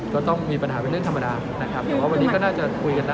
ก็ต้องมีปัญหาเป็นเรื่องธรรมดานะครับแต่ว่าวันนี้ก็น่าจะคุยกันได้